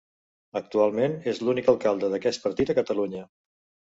Actualment és l'únic alcalde d'aquest partit a Catalunya.